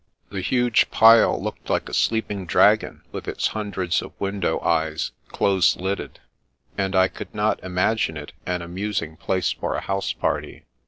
The huge pile looked like a sleeping dragon with its hundreds of window eyes close lidded, and I could not imagine it an amusing place for a house party.